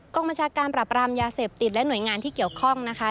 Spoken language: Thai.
กรรมบัญชาการปรับรามยาเสพติดและหน่วยงานที่เกี่ยวข้องนะคะ